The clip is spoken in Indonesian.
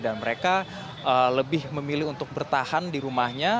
dan mereka lebih memilih untuk bertahan di rumahnya